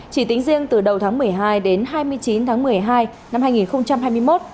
chỉ tính riêng từ đầu tháng một mươi hai đến hai mươi chín tháng một mươi hai năm hai nghìn hai mươi một